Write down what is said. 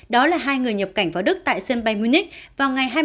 đó là hai người nhập cảnh vào đức tại sân bay munich